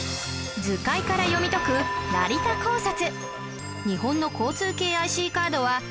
図解から読み解く成田考察